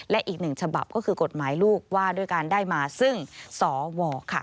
และอีกหนึ่งฉบับก็คือกฎหมายลูกว่าด้วยการได้มาซึ่งสวค่ะ